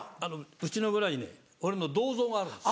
うちの村にね俺の銅像があるんです。